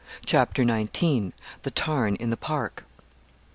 CHAPTER XIX. THE TARN IN THE PARK.